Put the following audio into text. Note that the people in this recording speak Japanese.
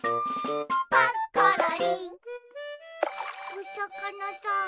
おさかなさん。